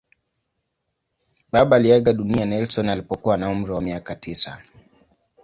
Baba aliaga dunia Nelson alipokuwa na umri wa miaka tisa.